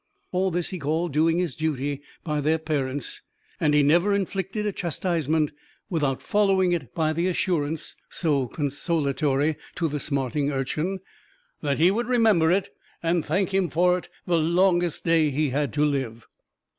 All this he called "doing his duty by their parents"; and he never inflicted a chastisement without following it by the assurance, so consolatory to the smarting urchin, that "he would remember it and thank him for it the longest day he had to live."